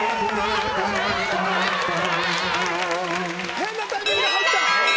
変なタイミングで入った。